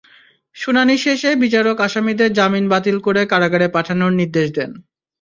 শুনানি শেষে বিচারক আসামিদের জামিন বাতিল করে কারাগারে পাঠানোর নির্দেশ দেন।